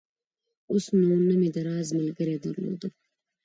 اوس نو نه مې د راز ملګرى درلود.